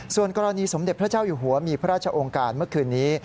ส่วนกรณีสมเด็จพระเจ้าอยู่หัวมีพระราชองค์การเมื่อคืนนี้